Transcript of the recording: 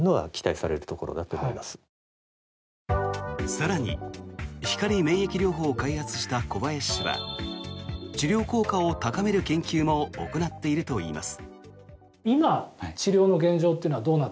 更に、光免疫療法を開発した小林氏は治療効果を高める研究も行っているといいます。